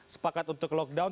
sepakat untuk lockdown